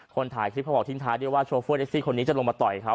ถ่ายคลิปเขาบอกทิ้งท้ายด้วยว่าโชเฟอร์แท็กซี่คนนี้จะลงมาต่อยเขา